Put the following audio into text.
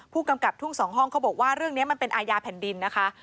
ผู้กำกับทุ่งสองห้องเขาบอกว่าเรื่องนี้มันเป็นอาญาแผ่นดินนะคะ